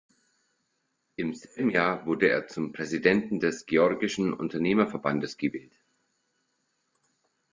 Im selben Jahr wurde er zum Präsidenten des "Georgischen Unternehmerverbandes" gewählt.